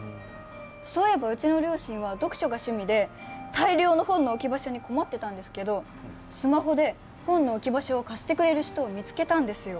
そういえばうちの両親は読書が趣味で大量の本の置き場所に困ってたんですけどスマホで本の置き場所を貸してくれる人を見つけたんですよ。